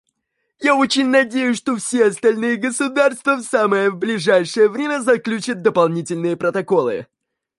Я очень надеюсь, что все остальные государства в самое ближайшее время заключат дополнительные протоколы.